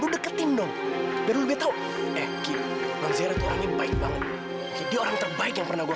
terus lu gimana